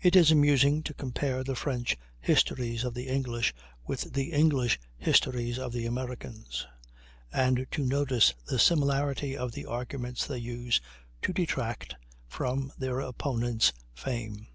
It is amusing to compare the French histories of the English with the English histories of the Americans, and to notice the similarity of the arguments they use to detract from their opponents' fame.